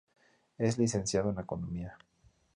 Es licenciado en Economía.